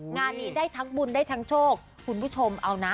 งานนี้ได้ทั้งบุญได้ทั้งโชคคุณผู้ชมเอานะ